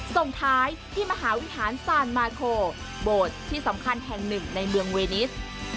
ส่งท้ายที่มหาวิหารซานมาโคโบสถ์ที่สำคัญแห่งหนึ่งในเมืองเวนิส